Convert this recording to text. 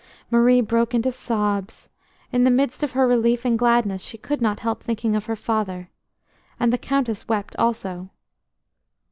Marie broke into sobs. In the midst of her relief and gladness, she could not help thinking of her father. And the Countess wept also.